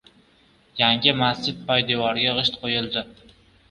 Yangi masjid poydevoriga g‘isht qo‘yildi